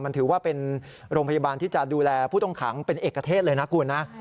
มันถือว่าเป็นโรงพยาบาลที่จะดูแลผู้ต้องขังเป็นเอกเทศเลยนะคุณนะ